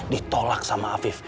ditolak sama afif